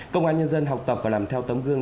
công an nhân dân học tập và làm theo tấm gương